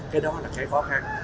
cái đó là cái khó khăn